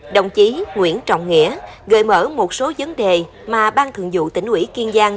đồng chí nguyễn trọng nghĩa gợi mở một số vấn đề mà ban thượng dụ tỉnh ủy kiên giang